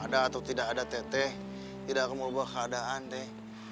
ada atau tidak ada teh teh tidak akan mau ubah keadaan teh